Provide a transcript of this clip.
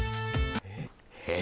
えっ！？